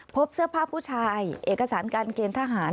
พบเสื้อผ้าผู้ชายเอกสารการเกณฑ์ทหาร